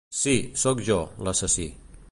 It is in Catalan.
Sí, soc jo, l'assassí.